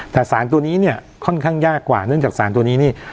แต่สารตัวนี้เนี่ยค่อนข้างยากกว่าเนื่องจากสารตัวนี้นี่